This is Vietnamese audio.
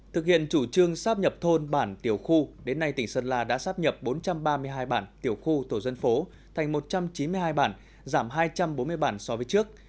thực hiện chủ trương sắp nhập thôn bản tiểu khu đến nay tỉnh sơn la đã sáp nhập bốn trăm ba mươi hai bản tiểu khu tổ dân phố thành một trăm chín mươi hai bản giảm hai trăm bốn mươi bản so với trước